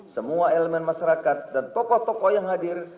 semua elemen masyarakat dan tokoh tokoh yang hadir